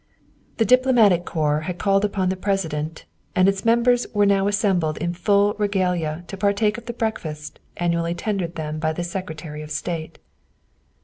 The Diplomatic Corps had called upon the President and its members were now assembled in full regalia to partake of the breakfast annually tendered them by the Secretary of State.